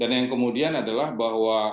dan yang kemudian adalah bahwa